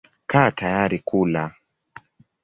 Kaa tayari kula.